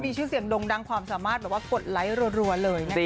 คุณผู้ชมความสามารถกดไลค์รวดเลยนะคะ